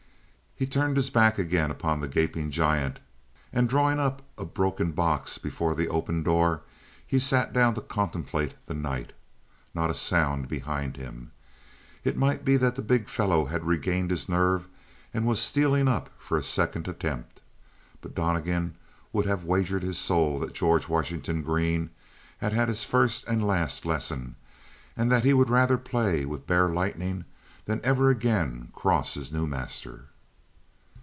He turned his back again upon the gaping giant, and drawing up a broken box before the open door he sat down to contemplate the night. Not a sound behind him. It might be that the big fellow had regained his nerve and was stealing up for a second attempt; but Donnegan would have wagered his soul that George Washington Green had his first and last lesson and that he would rather play with bare lightning than ever again cross his new master.